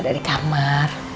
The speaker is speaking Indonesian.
elsa ada di kamar